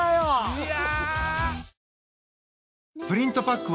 いや。